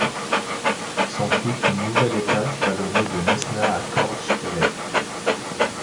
S'en suite une nouvelle étape vallonnée de Nesna au Korgfjellet.